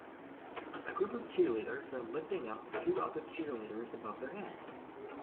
A group of cheerleaders are lifting up two other cheerleaders above their heads